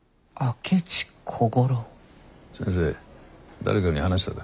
誰かに話したか？